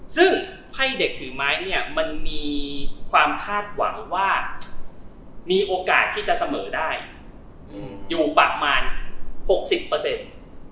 ซึ่งให้เด็กถือไม้เนี่ยมันมีความคาดหวังว่ามีโอกาสที่จะเสมอได้อยู่ประมาณหกสิบเปอร์เซ็นต์